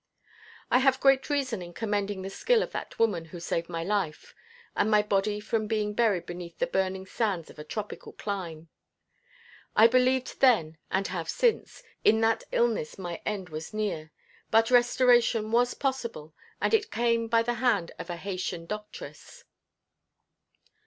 I have great reason in commending the skill of that woman who saved my life, and my body from being buried beneath the burning sands of a tropical clime. I believed then and have since, in that illness my end was near, but restoration was possible, and it came by the hand of a Haytian doctress.